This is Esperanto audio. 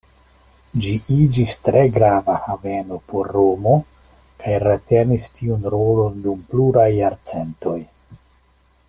Ĝi iĝis tre grava haveno por Romo kaj retenis tiun rolon dum pluraj jarcentoj.